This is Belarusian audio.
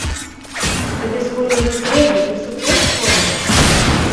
Табе сходаў не трэба, ты супроць сходаў?